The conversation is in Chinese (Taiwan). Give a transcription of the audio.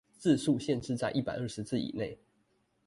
字數限制在一百二十字以內